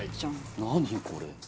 何これ？